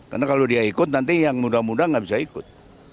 karena kalau dia ikut nanti yang muda muda enggak bisa ikut